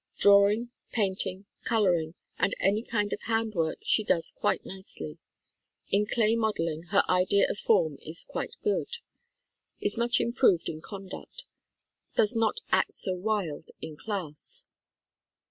Draw ing, painting, coloring, and any kind of hand work she does quite nicely. In clay modeling, her idea of form is quite good. Is much improved in conduct. Does not act so wild in class.